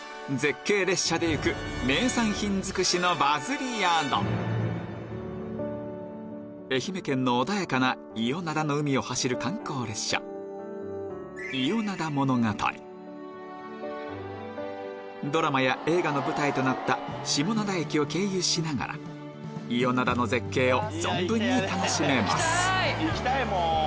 続いては愛媛県の穏やかな伊予灘の海を走る観光列車ドラマや映画の舞台となった下灘駅を経由しながら伊予灘の絶景を存分に楽しめます